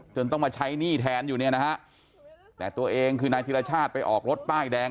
ต้องมาใช้หนี้แทนอยู่เนี่ยนะฮะแต่ตัวเองคือนายธิรชาติไปออกรถป้ายแดง